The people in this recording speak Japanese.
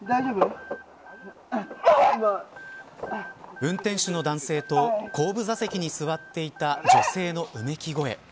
運転手の男性と後部座席に座っていた女性のうめき声。